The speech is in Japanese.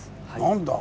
何だ？